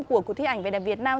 của cuộc thi ảnh về đẹp việt nam